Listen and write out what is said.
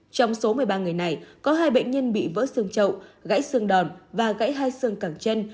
trong số một mươi ba người này có hai bệnh nhân bị vỡ xương trậu gãy xương đòn và gãy hai xương cản chân